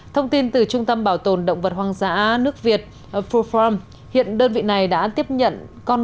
thông tin từ trung tâm bảo tồn động vật hoang dã nước việt ful farm hiện đơn vị này đã tiếp nhận con